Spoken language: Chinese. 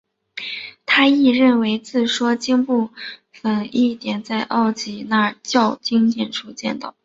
他亦认为自说经部份观点亦可在奥义书及耆那教经典中见到。